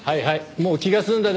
もう気が済んだでしょ？